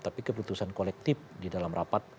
tapi keputusan kolektif di dalam rapat